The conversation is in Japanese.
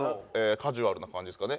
カジュアルな感じですかね。